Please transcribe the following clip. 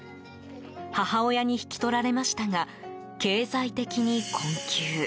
母親に引き取られましたが経済的に困窮。